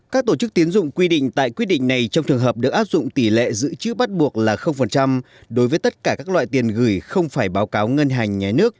các tổ chức tiến dụng quy định tại quyết định này trong trường hợp được áp dụng tỷ lệ dự trữ bắt buộc là đối với tất cả các loại tiền gửi không phải báo cáo ngân hàng nhé nước